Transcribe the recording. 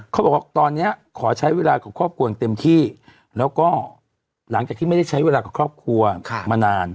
เขาบอกว่าตอนนี้ขอใช้เวลากับครอบครัวอย่างเต็มที่แล้วก็หลังจากที่ไม่ได้ใช้เวลากับครอบครัวมานาน